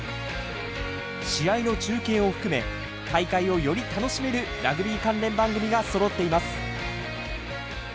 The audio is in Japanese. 試合の中継を含め大会をより楽しめるラグビー関連番組がそろっています。